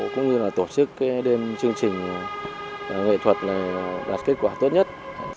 cũng như là tổ chức đêm chương trình nghệ thuật này đạt kết quả tốt nhất